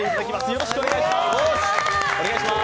よろしくお願いします。